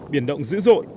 biển động dữ dội